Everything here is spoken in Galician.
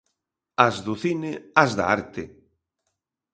As do cine ás da arte.